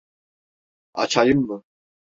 Açayım mı?